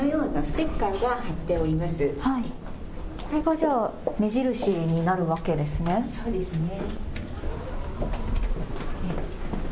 これが目印になるわけですね。